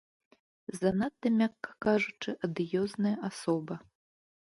Занадта, мякка кажучы, адыёзная асоба.